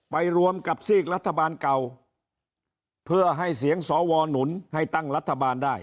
รวมกับซีกรัฐบาลเก่าเพื่อให้เสียงสวหนุนให้ตั้งรัฐบาลได้